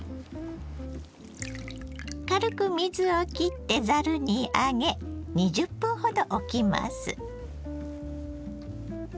軽く水をきってざるに上げ２０分ほどおきます。